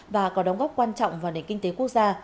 và có đóng góp quan trọng vào nền kinh tế quốc gia